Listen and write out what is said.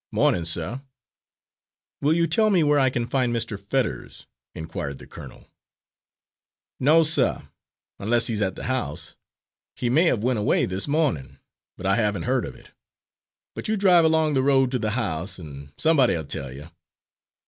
"Mornin', suh." "Will you tell me where I can find Mr. Fetters?" inquired the colonel. "No, suh, unless he's at the house. He may have went away this mornin', but I haven't heard of it. But you drive along the road to the house, an' somebody'll tell you."